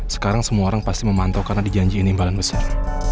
sekarang semua orang pasti memantau karena dijanjiin imbalan besar